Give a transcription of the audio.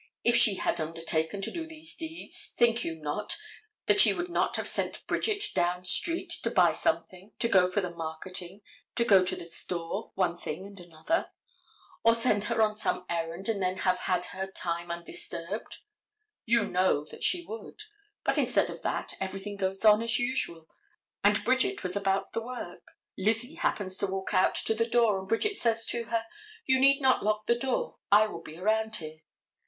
If she had undertaken to do these deeds, think you not that she would not have sent Bridget down street to buy something, to go for the marketing, to go to the store, one thing and another? Or send her on some errand, and then have had time undisturbed. You know that she would. But instead of that, everything goes on as usual, and Bridget was about the work. Lizzie happens to walk out to the door, and Bridget says to her, "You need not lock the door, I will be around here."